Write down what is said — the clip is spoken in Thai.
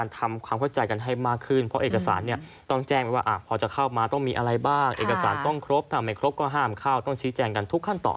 ถ้าไม่ครบก็ห้ามเข้าต้องชี้แจงกันทุกขั้นต่อ